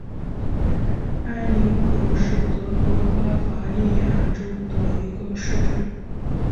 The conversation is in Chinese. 埃林格是德国巴伐利亚州的一个市镇。